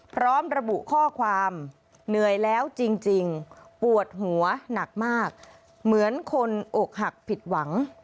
พร้อมระบุข้อความเหนื่อยแล้วจริงปวดหัวหนักมากเหมือนคนอกหักผิดหวัง